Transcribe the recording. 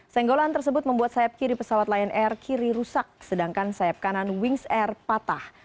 senggolan tersebut membuat sayap kiri pesawat lion air kiri rusak sedangkan sayap kanan wings air patah